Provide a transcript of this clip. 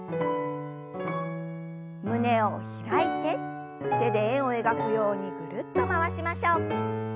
胸を開いて手で円を描くようにぐるっと回しましょう。